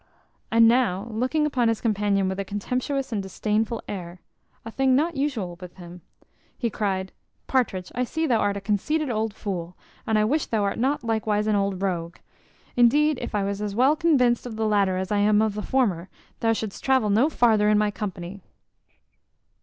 And now, looking upon his companion with a contemptuous and disdainful air (a thing not usual with him), he cried, "Partridge, I see thou art a conceited old fool, and I wish thou art not likewise an old rogue. Indeed, if I was as well convinced of the latter as I am of the former, thou should'st travel no farther in my company."